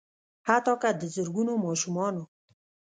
حتا که د زرګونو ماشومانو